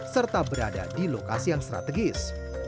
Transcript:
serta berada di lokasi yang strategis